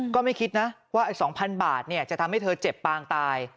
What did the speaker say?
ก็ไม่คิดนะว่า๒๐๐๐บาทจะทำให้เธอเจ็บปางตาย